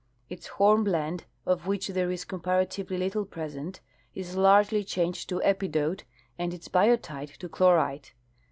Its hornblende, of which tliere is comparatively little present, is largel}^ changed to epidote and its biotite to chlorite.